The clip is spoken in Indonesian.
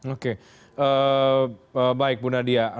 oke baik bu nadia